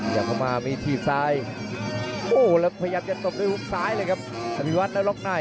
อย่างพร้อมมามีทีฟซ้ายโอ้แล้วพยัดจะตบด้วยมุมซ้ายเลยครับอภิวัตน์นรกใน